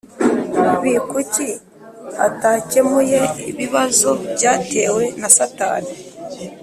b Kuki atakemuye ibibazo byatewe na Satani